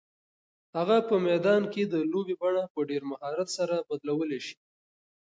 هغه په میدان کې د لوبې بڼه په ډېر مهارت سره بدلولی شي.